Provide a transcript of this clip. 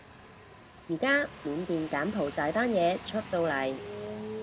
而家緬甸柬埔寨單嘢出到嚟